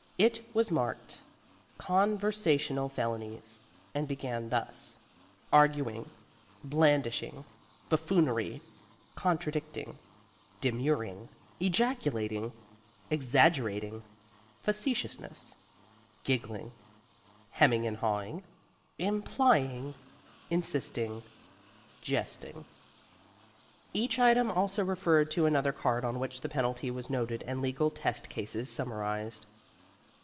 It was marked Conversational Felonies, and began thus: Arguing Blandishing Buffoonery Contradicting Demurring Ejaculating Exaggerating Facetiousness Giggling Hemming and Hawing Implying Insisting Jesting Each item also referred to another card on which the penalty was noted and legal test cases summarized.